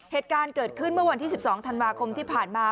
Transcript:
เหตุการณ์เกิดขึ้นเมื่อวันที่๑๒ธันวาคมที่ผ่านมา